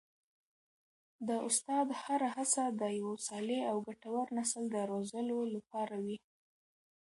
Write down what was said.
د استاد هره هڅه د یو صالح او ګټور نسل د روزلو لپاره وي.